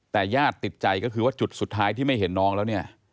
แต่ญาติติดใจก็คือว่าจุดสุดท้ายที่ไม่เห็นน้องแล้วเนี่ย